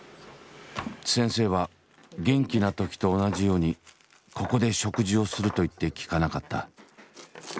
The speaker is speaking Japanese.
先生は元気な時と同じようにここで食事をすると言って聞かなかった。